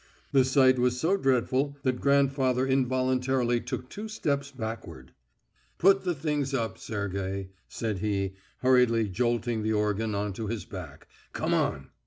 The sight was so dreadful that grandfather involuntarily took two steps backward. "Put the things up, Sergey," said he, hurriedly jolting the organ on to his back. "Come on!"